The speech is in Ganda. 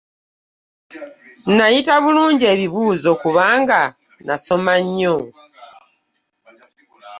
Nnayita bulungi ebibuuzo kubanga nnasoma nnyo.